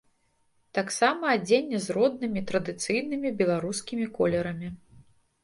Таксама адзенне з роднымі, традыцыйнымі беларускімі колерамі.